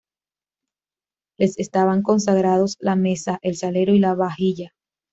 Les estaban consagrados la mesa, el salero y la vajilla.